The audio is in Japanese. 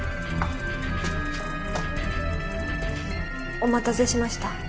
お待たせしました。